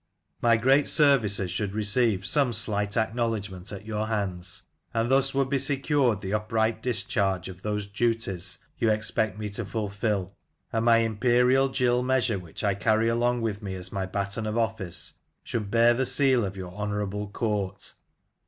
My great services should receive some slight acknowledgment at your hands, and thus would be secured the upright dis charge of those duties you expect me to fulfil; and my imperial gill measure, which I carry along with me as my baton of office, should bear the seal of your honourable court.